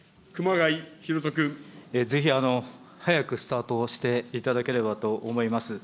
ぜひ、早くスタートをしていただければと思います。